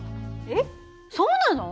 えっそうなの？